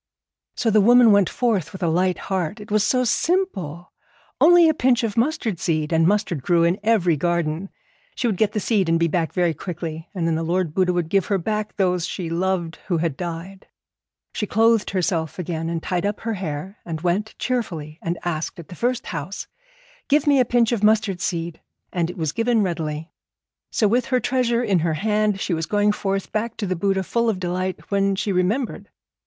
So the woman went forth with a light heart. It was so simple, only a pinch of mustard seed, and mustard grew in every garden. She would get the seed and be back very quickly, and then the Lord Buddha would give her back those she loved who had died. She clothed herself again and tied up her hair, and went cheerfully and asked at the first house, 'Give me a pinch of mustard seed,' and it was given readily. So with her treasure in her hand she was going forth back to the Buddha full of delight, when she remembered.